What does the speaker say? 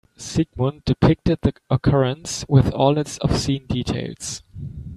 Sigmund depicted the occurrence with all its obscene details.